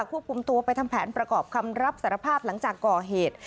ควบคุมตัวไปทำแผนประกอบคำรับสารภาพหลังจากก่อเหตุ